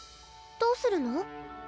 どうするの？